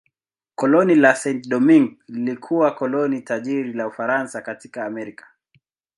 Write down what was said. Koloni la Saint-Domingue lilikuwa koloni tajiri la Ufaransa katika Amerika.